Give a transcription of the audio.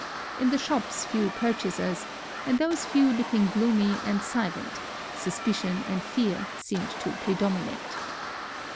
In the shops few purchasers, and those few looking gloomy and silent; suspicion and fear seemed to predominate.